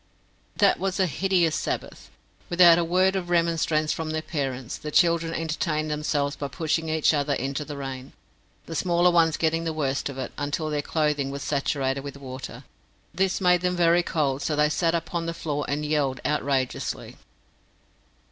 That was a hideous Sabbath. Without a word of remonstrance from their parents, the children entertained themselves by pushing each other into the rain, the smaller ones getting the worst of it, until their clothing was saturated with water. This made them very cold, so they sat upon the floor and yelled outrageously.